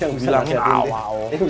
yang bisa nasehatin dia cuma sih debi